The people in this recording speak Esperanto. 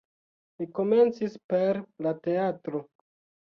Li komencis per la teatro.